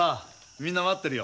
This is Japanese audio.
みんな待ってるよ。